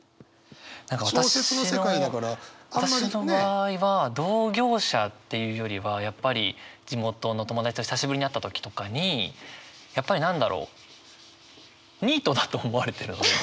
私の場合は同業者っていうよりはやっぱり地元の友達と久しぶりに会った時とかにやっぱり何だろうニートだと思われてるので。